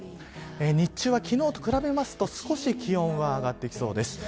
日中は、昨日と比べると少し気温は上がってきそうです。